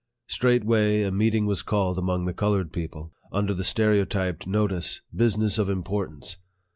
Straightway a meeting was called among the colored people, under the stereotyped notice, " Business of importance